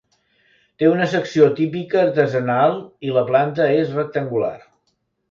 Té una secció típica artesanal i la planta és rectangular.